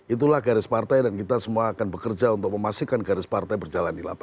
itulah garis partai dan kita semua akan bekerja untuk memastikan garis partai berjalan di lapangan